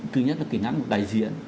thứ nhất là kỹ năng của đại diện